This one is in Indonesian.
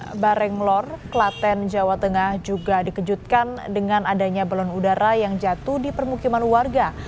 di barenglor klaten jawa tengah juga dikejutkan dengan adanya balon udara yang jatuh di permukiman warga